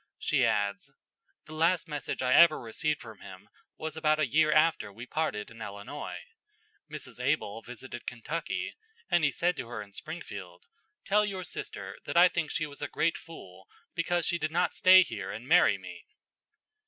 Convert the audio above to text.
She adds: "The last message I ever received from him was about a year after we parted in Illinois. Mrs. Able visited Kentucky, and he said to her in Springfield, 'Tell your sister that I think she was a great fool because she did not stay here and marry me.'"